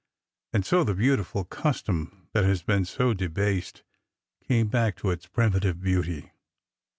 And so the beautiful custom that has been so debased came back to its primitive beauty.